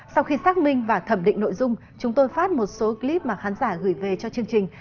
sau khi xác minh và thẩm định nội dung chúng tôi phát một số clip mà khán giả gửi về cho chương trình